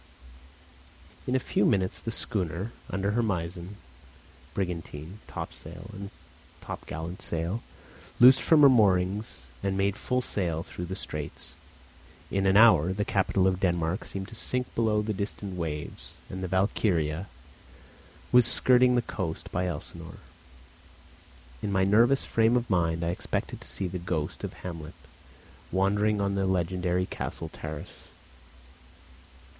In a few minutes the schooner, under her mizen, brigantine, topsail, and topgallant sail, loosed from her moorings and made full sail through the straits. In an hour the capital of Denmark seemed to sink below the distant waves, and the Valkyria was skirting the coast by Elsinore. In my nervous frame of mind I expected to see the ghost of Hamlet wandering on the legendary castle terrace.